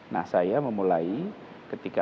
nah saya memulai ketika